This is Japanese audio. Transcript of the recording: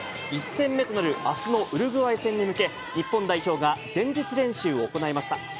１戦目となるあすのウルグアイ戦に向け、日本代表が前日練習を行いました。